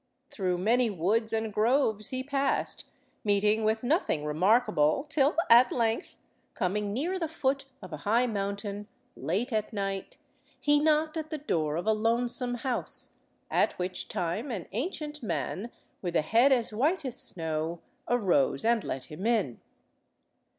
Through many woods and groves he passed, meeting with nothing remarkable, till at length, coming near the foot of a high mountain, late at night, he knocked at the door of a lonesome house, at which time an ancient man, with a head as white as snow, arose and let him in.